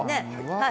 はい。